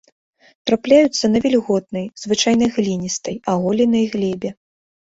Трапляюцца на вільготнай, звычайна гліністай, аголенай глебе.